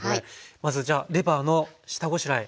まずじゃあレバーの下ごしらえ。